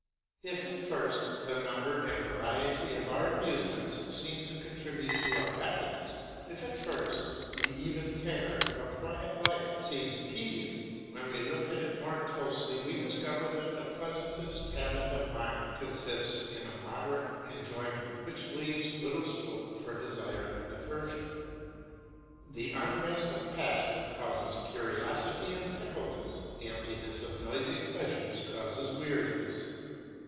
If at first the number and variety of our amusements seem to contribute to our happiness, if at first the even tenor of a quiet life seems tedious, when we look at it more closely we discover that the pleasantest habit of mind consists in a moderate enjoyment which leaves little scope for desire and aversion. The unrest of passion causes curiosity and fickleness; the emptiness of noisy pleasures causes weariness.